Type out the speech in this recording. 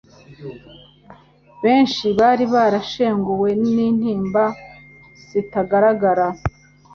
benshi bari barashenguwe n'intimba zitagaragara,